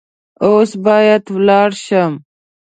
اوس باید ولاړ شم .